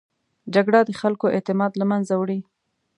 جګړه د خلکو اعتماد له منځه وړي